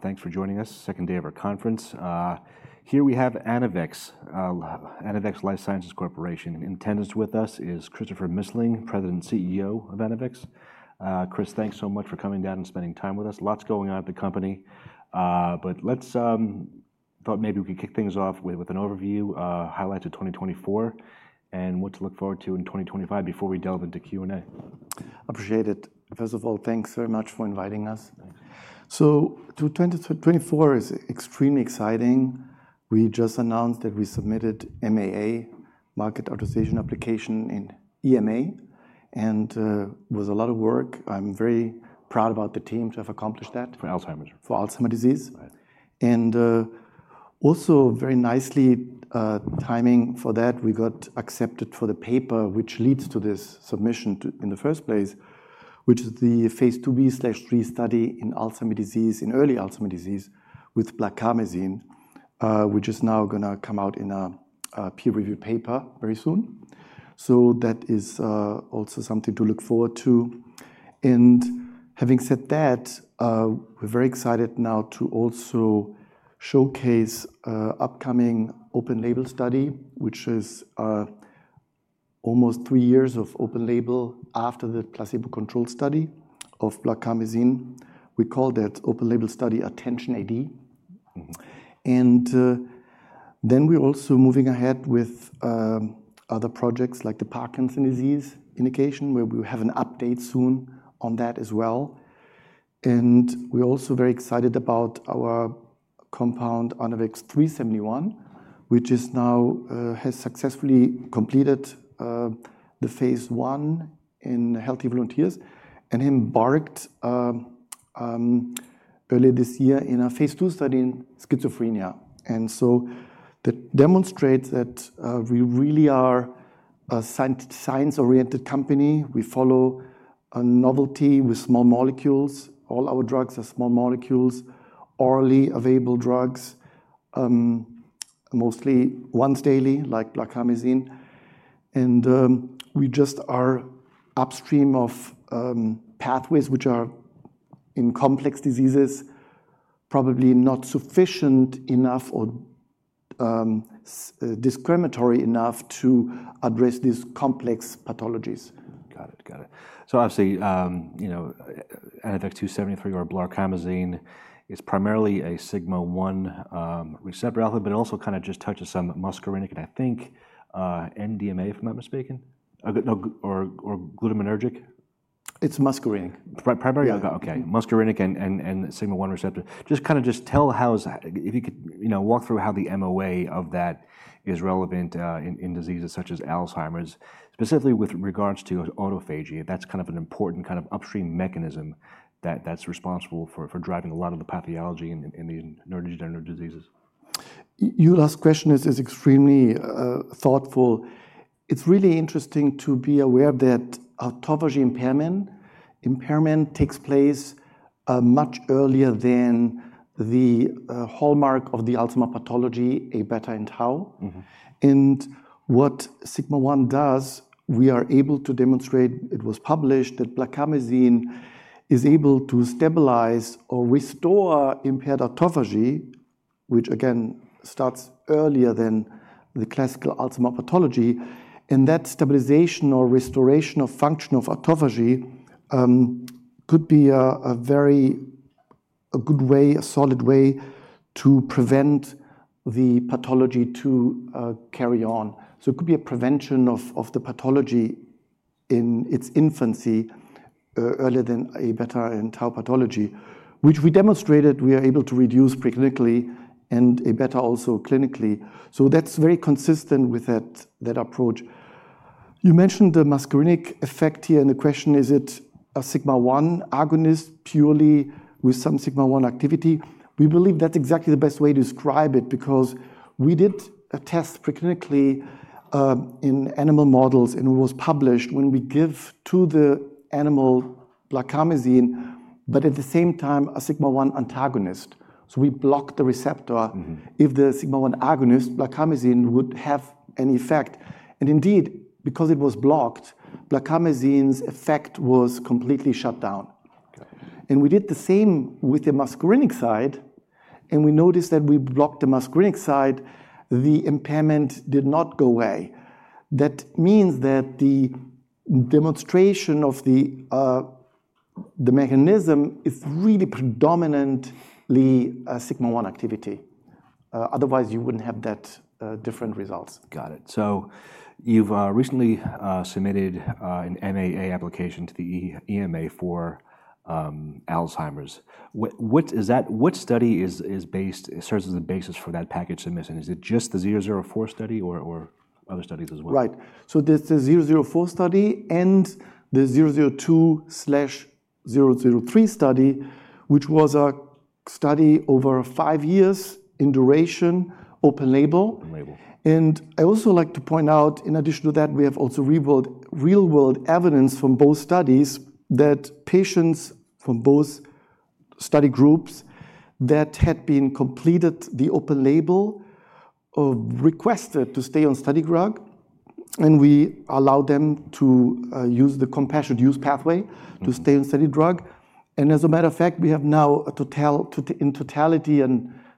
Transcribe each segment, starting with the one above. Thanks for joining us, second day of our conference. Here we have Anavex Life Sciences Corporation. In attendance with us is Christopher Missling, President and CEO of Anavex. Chris, thanks so much for coming down and spending time with us. Lots going on at the company, but I thought maybe we could kick things off with an overview, highlights of 2024, and what to look forward to in 2025 before we delve into Q&A. Appreciate it. First of all, thanks very much for inviting us. So 2024 is extremely exciting. We just announced that we submitted MAA, Marketing Authorization Application, in EMA, and it was a lot of work. I'm very proud about the team to have accomplished that. For Alzheimer's. For Alzheimer's disease. And also very nicely timed for that, we got accepted for the paper which leads to this submission in the first place, which is the phase II-B/III study in Alzheimer's disease, in early Alzheimer's disease, with blarcamesine, which is now going to come out in a peer-reviewed paper very soon. So that is also something to look forward to. And having said that, we're very excited now to also showcase an upcoming open-label study, which is almost three years of open-label after the placebo-controlled study of blarcamesine. We call that open-label study ATTENTION-AD. And then we're also moving ahead with other projects like the Parkinson's disease indication, where we will have an update soon on that as well. And we're also very excited about our compound, Anavex 371, which has successfully completed the phase I in healthy volunteers and embarked early this year in a phase II study in schizophrenia. And so that demonstrates that we really are a science-oriented company. We follow a novelty with small molecules. All our drugs are small molecules, orally available drugs, mostly once daily, like blarcamesine. And we just are upstream of pathways which are in complex diseases, probably not sufficient enough or discriminatory enough to address these complex pathologies. Got it. Got it. So obviously, Anavex 2-73 or blarcamesine is primarily a sigma-1 receptor agonist, but it also kind of just touches some muscarinic, and I think NMDA, if I'm not mistaken, or glutamatergic. It's muscarinic. Primarily, okay, muscarinic and sigma-1 receptor. Just kind of tell how, if you could walk through how the MOA of that is relevant in diseases such as Alzheimer's, specifically with regards to autophagy. That's kind of an important kind of upstream mechanism that's responsible for driving a lot of the pathology in these neurodegenerative diseases. Your last question is extremely thoughtful. It's really interesting to be aware that autophagy impairment takes place much earlier than the hallmark of the Alzheimer's pathology, A-beta and tau, and what sigma-1 does, we are able to demonstrate, it was published, that blarcamesine is able to stabilize or restore impaired autophagy, which again starts earlier than the classical Alzheimer's pathology, and that stabilization or restoration of function of autophagy could be a very good way, a solid way to prevent the pathology to carry on, so it could be a prevention of the pathology in its infancy earlier than A-beta and tau pathology, which we demonstrated we are able to reduce preclinically and A-beta also clinically, so that's very consistent with that approach. You mentioned the muscarinic effect here, and the question, is it a sigma-1 agonist purely, or with some muscarinic activity? We believe that's exactly the best way to describe it because we did a test preclinically in animal models, and it was published when we give to the animal blarcamesine, but at the same time a sigma-1 antagonist. So we blocked the receptor if the sigma-1 agonist, blarcamesine, would have any effect. And indeed, because it was blocked, blarcamesine's effect was completely shut down. And we did the same with the muscarinic side, and we noticed that we blocked the muscarinic side, the impairment did not go away. That means that the demonstration of the mechanism is really predominantly sigma-1 activity. Otherwise, you wouldn't have that different results. Got it. So you've recently submitted an MAA application to the EMA for Alzheimer's. What study serves as the basis for that package submission? Is it just the 004 study or other studies as well? Right. So there's the 004 study and the 002/003 study, which was a study over five years in duration, open label. And I also like to point out, in addition to that, we have also real-world evidence from both studies that patients from both study groups that had been completed the open label requested to stay on study drug, and we allowed them to use the compassionate use pathway to stay on study drug. And as a matter of fact, we have now in totality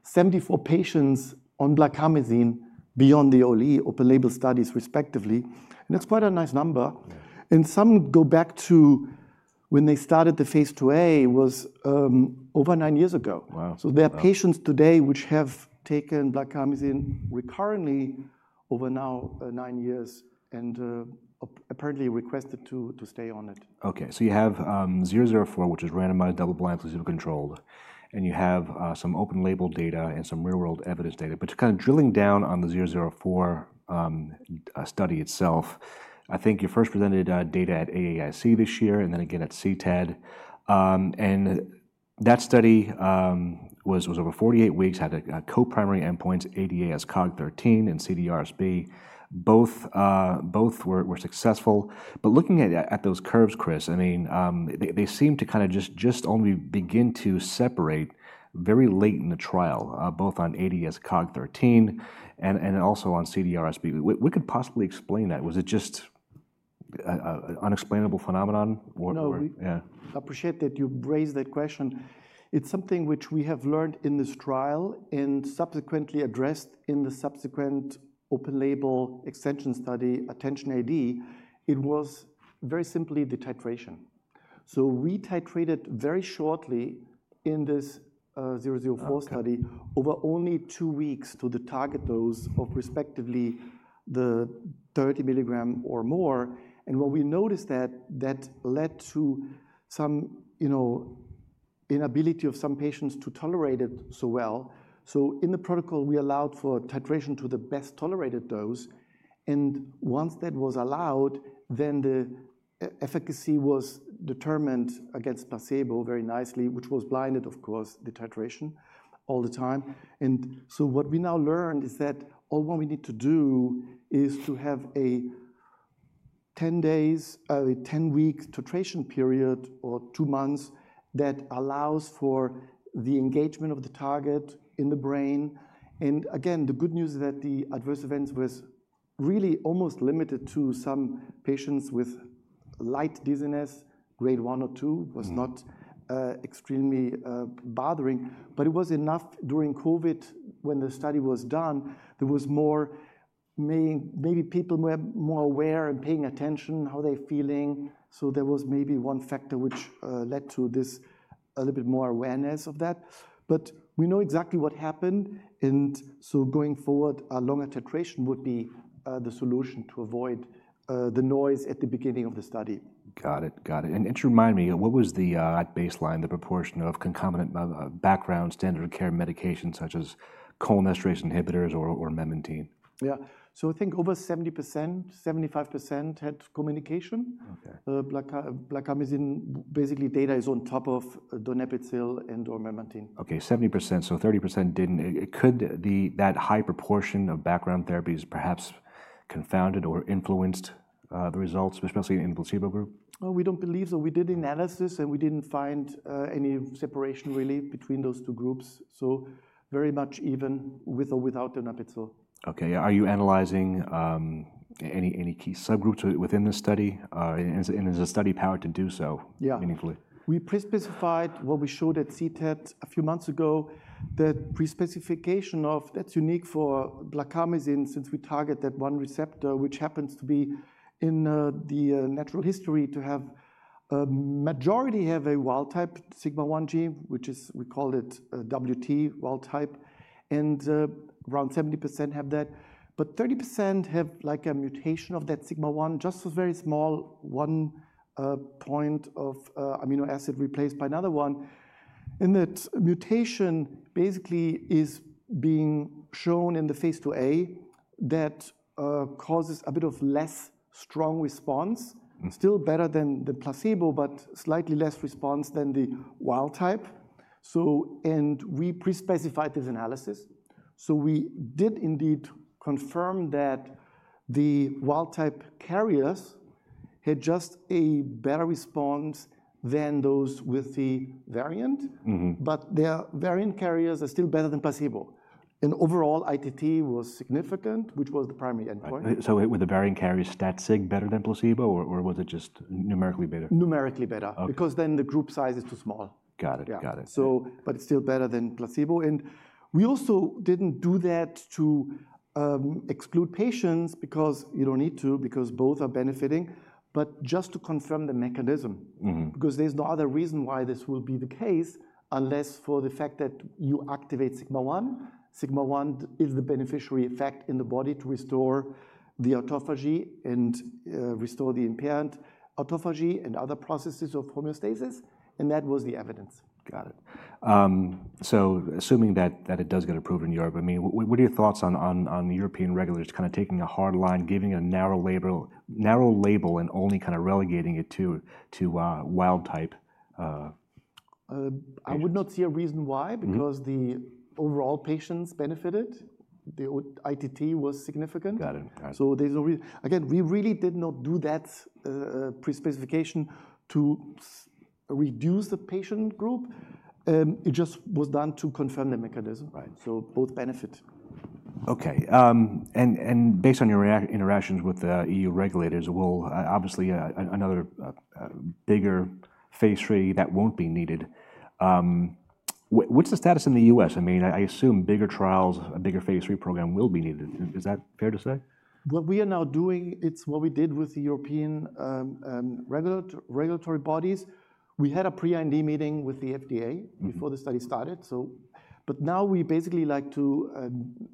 74 patients on blarcamesine beyond the OLE open label studies, respectively. And that's quite a nice number. And some go back to when they started the phase II-A was over nine years ago. So there are patients today which have taken blarcamesine recurrently over now nine years and apparently requested to stay on it. Okay. So you have 004, which is randomized double-blind placebo-controlled, and you have some open label data and some real-world evidence data. But kind of drilling down on the 004 study itself, I think you first presented data at AAIC this year and then again at CTAD. And that study was over 48 weeks, had co-primary endpoints, ADAS-Cog13 and CDR-SB. Both were successful. But looking at those curves, Chris, I mean, they seem to kind of just only begin to separate very late in the trial, both on ADAS-Cog13 and also on CDR-SB. What could possibly explain that? Was it just an unexplainable phenomenon? No, I appreciate that you raised that question. It's something which we have learned in this trial and subsequently addressed in the subsequent open label extension study, ATTENTION-AD. It was very simply the titration, so we titrated very shortly in this 004 study over only two weeks to the target dose of respectively the 30 mg or more, and what we noticed that led to some inability of some patients to tolerate it so well, so in the protocol, we allowed for titration to the best tolerated dose, and once that was allowed, then the efficacy was determined against placebo very nicely, which was blinded, of course, the titration all the time, and so what we now learned is that all we need to do is to have a 10-week titration period or two months that allows for the engagement of the target in the brain. And again, the good news is that the adverse events were really almost limited to some patients with light dizziness, grade one or two. It was not extremely bothering, but it was enough during COVID when the study was done. There was more. Maybe people were more aware and paying attention to how they're feeling. So there was maybe one factor which led to this, a little bit more awareness of that. But we know exactly what happened. And so going forward, a longer titration would be the solution to avoid the noise at the beginning of the study. Got it. Got it. To remind me, what was the baseline, the proportion of concomitant background standard of care medications such as cholinesterase inhibitors or memantine? Yeah. So I think over 70%-75% had communication. Blarcamesine, basically data is on top of donepezil and/or memantine. Okay. 70%. So 30% didn't. Could that high proportion of background therapies perhaps confounded or influenced the results, especially in the placebo group? We don't believe so. We did analysis and we didn't find any separation really between those two groups. So very much even with or without donepezil. Okay. Are you analyzing any key subgroups within this study, and is the study powered to do so meaningfully? Yeah. We pre-specified what we showed at CTAD a few months ago, that pre-specification of that's unique for blarcamesine since we target that one receptor, which happens to be in the natural history to have majority have a wild-type sigma-1 gene, which is we call it WT wild-type. And around 70% have that. But 30% have like a mutation of that sigma-1, just a very small one point of amino acid replaced by another one. And that mutation basically is being shown in the phase II-A that causes a bit of less strong response, still better than the placebo, but slightly less response than the wild-type. And we pre-specified this analysis. So we did indeed confirm that the wild-type carriers had just a better response than those with the variant, but their variant carriers are still better than placebo. Overall, ITT was significant, which was the primary endpoint. So with the variant carriers, stat-sig better than placebo, or was it just numerically better? Numerically better because then the group size is too small. Got it. Got it. But it's still better than placebo. And we also didn't do that to exclude patients because you don't need to because both are benefiting, but just to confirm the mechanism because there's no other reason why this will be the case unless for the fact that you activate sigma-1. Sigma-1 is the beneficial effect in the body to restore the autophagy and restore the impaired autophagy and other processes of homeostasis. And that was the evidence. Got it. So assuming that it does get approved in Europe, I mean, what are your thoughts on European regulators kind of taking a hard line, giving a narrow label and only kind of relegating it to wild-type? I would not see a reason why because the overall patients benefited. The ITT was significant. Got it. Got it. There's no reason. Again, we really did not do that pre-specification to reduce the patient group. It just was done to confirm the mechanism. Both benefit. Okay. And based on your interactions with the EU regulators, well, obviously another bigger phase III that won't be needed. What's the status in the U.S.? I mean, I assume bigger trials, a bigger phase III program will be needed. Is that fair to say? What we are now doing, it's what we did with the European regulatory bodies. We had a pre-IND meeting with the FDA before the study started. But now we basically like to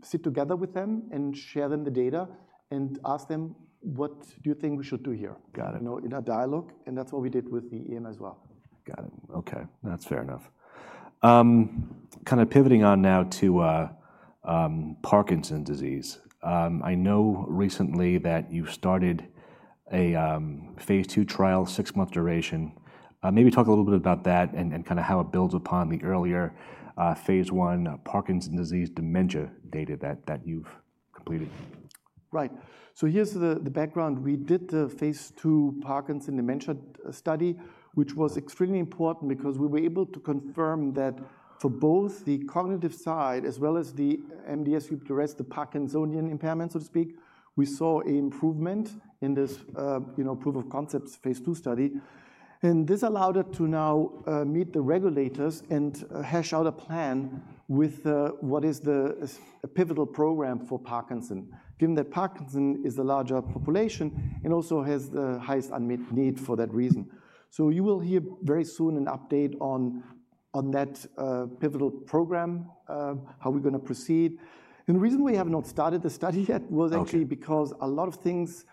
sit together with them and share them the data and ask them what do you think we should do here in a dialogue. And that's what we did with the EMA as well. Got it. Okay. That's fair enough. Kind of pivoting on now to Parkinson's disease. I know recently that you started a phase II trial, six-month duration. Maybe talk a little bit about that and kind of how it builds upon the earlier phase I Parkinson's disease dementia data that you've completed. Right, so here's the background. We did the phase II Parkinson's dementia study, which was extremely important because we were able to confirm that for both the cognitive side as well as the MDS-UPDRS, as well as the parkinsonian impairment, so to speak, we saw improvement in this proof-of-concept phase II study. And this allowed us to now meet the regulators and hash out a plan with what is the pivotal program for Parkinson's, given that Parkinson's is the larger population and also has the highest unmet need for that reason, so you will hear very soon an update on that pivotal program, how we're going to proceed. And the reason we have not started the study yet was actually because a lot of things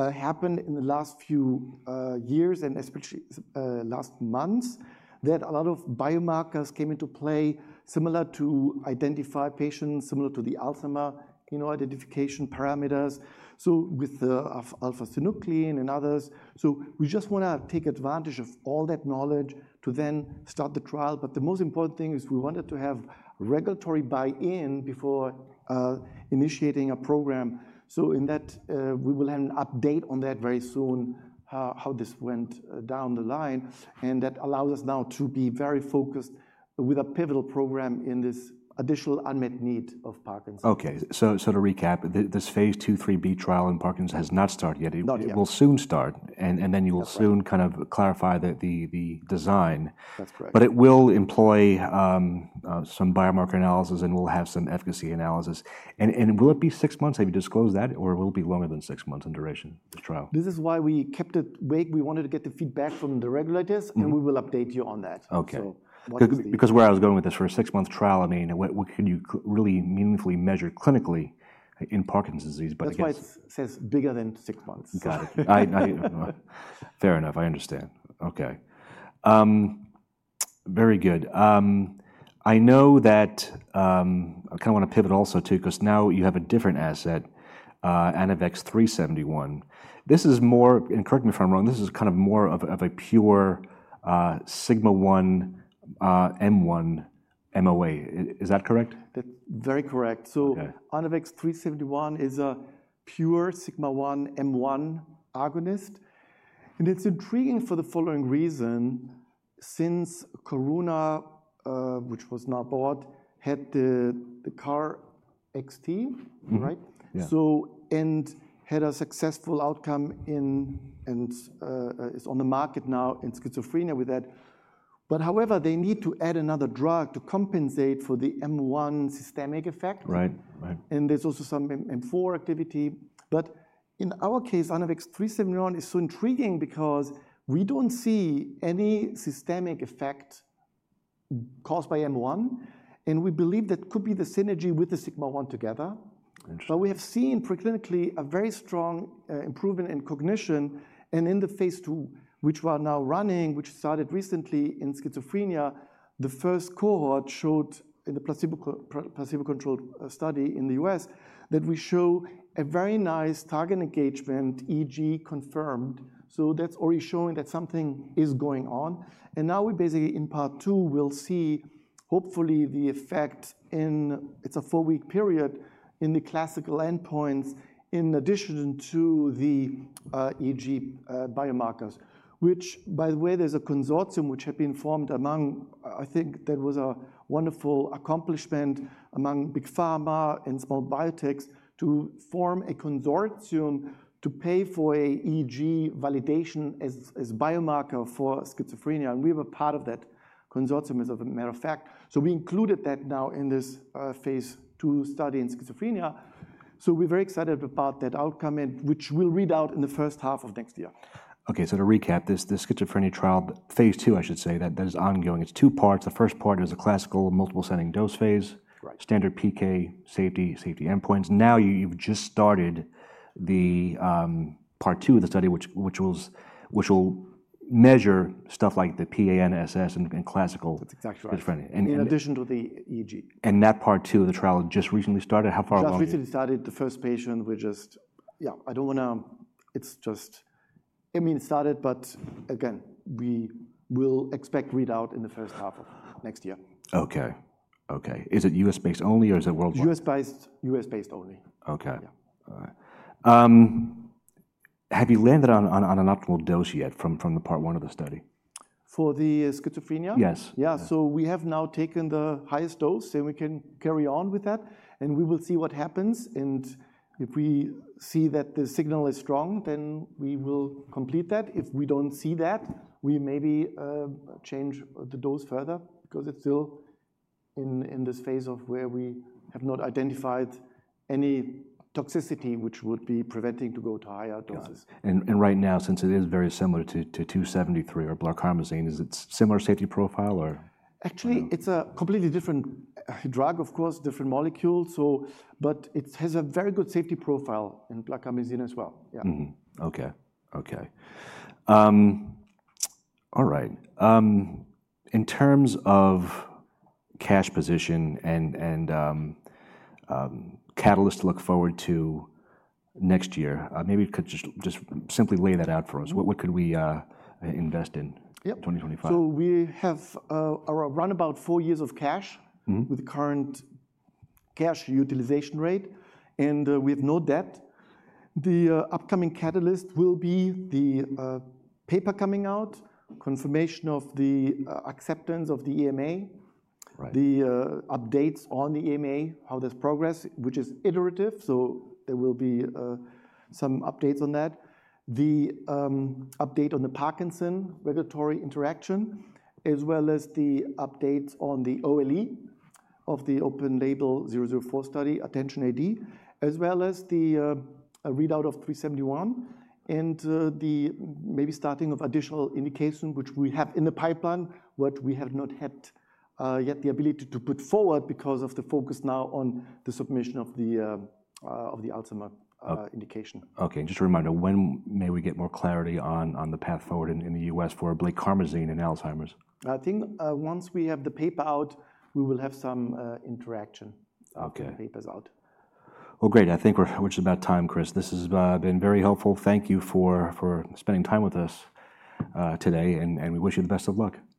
happened in the last few years and especially last months that a lot of biomarkers came into play similar to identify patients, similar to the Alzheimer's identification parameters. So with alpha-synuclein and others. So we just want to take advantage of all that knowledge to then start the trial. But the most important thing is we wanted to have regulatory buy-in before initiating a program. So in that, we will have an update on that very soon, how this went down the line. And that allows us now to be very focused with a pivotal program in this additional unmet need of Parkinson's. Okay, so to recap, this phase II, III-B trial in Parkinson's has not started yet. It will soon start, and then you will soon kind of clarify the design. But it will employ some biomarker analysis and will have some efficacy analysis, and will it be six months? Have you disclosed that, or will it be longer than six months in duration, the trial? This is why we kept it vague. We wanted to get the feedback from the regulators, and we will update you on that. Okay. Because where I was going with this for a six-month trial, I mean, what can you really meaningfully measure clinically in Parkinson's disease? That's why it says bigger than six months. Got it. Fair enough. I understand. Okay. Very good. I know that I kind of want to pivot also too because now you have a different asset, Anavex 371. This is more, and correct me if I'm wrong, this is kind of more of a pure sigma-1 M1 MOA. Is that correct? That's very correct. So Anavex 371 is a pure sigma-1 M1 agonist. And it's intriguing for the following reason. Since Karuna, which was now bought, had the KarXT, right? And had a successful outcome in and is on the market now in schizophrenia with that. But however, they need to add another drug to compensate for the M1 systemic effect. And there's also some M4 activity. But in our case, Anavex 371 is so intriguing because we don't see any systemic effect caused by M1. And we believe that could be the synergy with the sigma-1 together. But we have seen preclinically a very strong improvement in cognition. And in the phase II, which we are now running, which started recently in schizophrenia, the first cohort showed in the placebo-controlled study in the U.S. that we show a very nice target engagement, EEG confirmed. So that's already showing that something is going on. Now we basically in part two will see hopefully the effect in its a four-week period in the classical endpoints in addition to the EEG biomarkers, which by the way, there's a consortium which had been formed among. I think that was a wonderful accomplishment among big pharma and small biotechs to form a consortium to pay for an EEG validation as biomarker for schizophrenia. We were part of that consortium as a matter of fact. We're very excited about that outcome, which we'll read out in the first half of next year. To recap, the schizophrenia trial, phase II, I should say, that is ongoing. It's two parts. The first part is a classical multiple ascending dose phase, standard PK safety endpoints. Now you've just started the part two of the study, which will measure stuff like the PANSS and classical schizophrenia. In addition to the EEG. That part two of the trial just recently started. How far along? Just recently started. The first patient, it's just, I mean, it started, but again, we will expect readout in the first half of next year. Okay. Okay. Is it U.S.-based only or is it worldwide? U.S.-based only. Okay. Have you landed on an optimal dose yet from the part one of the study? For the schizophrenia? Yes. Yeah. So we have now taken the highest dose and we can carry on with that. And we will see what happens. And if we see that the signal is strong, then we will complete that. If we don't see that, we maybe change the dose further because it's still in this phase of where we have not identified any toxicity, which would be preventing to go to higher doses. Right now, since it is very similar to 2-73 or blarcamesine, is it similar safety profile or? Actually, it's a completely different drug, of course, different molecule. But it has a very good safety profile in blarcamesine as well. Yeah. All right. In terms of cash position and catalyst to look forward to next year, maybe you could just simply lay that out for us. What could we invest in 2025? We have around about four years of cash with the current cash utilization rate. And we have no debt. The upcoming catalyst will be the paper coming out, confirmation of the acceptance of the EMA, the updates on the EMA, how this progress, which is iterative. So there will be some updates on that. The update on the Parkinson's regulatory interaction, as well as the updates on the OLE of the open label 004 study, ATTENTION-AD, as well as the readout of 371 and the maybe starting of additional indication, which we have in the pipeline, but we have not had yet the ability to put forward because of the focus now on the submission of the Alzheimer's indication. Okay. Just a reminder, when may we get more clarity on the path forward in the U.S. for blarcamesine and Alzheimer's? I think once we have the paper out, we will have some interaction after the paper's out. Well, great. I think we're just about time, Chris. This has been very helpful. Thank you for spending time with us today. And we wish you the best of luck. Thank you.